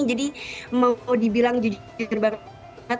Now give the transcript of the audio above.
jadi mau dibilang jujur banget